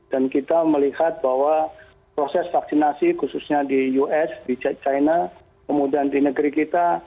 dan kita melihat bahwa proses vaksinasi khususnya di us di china kemudian di negeri kita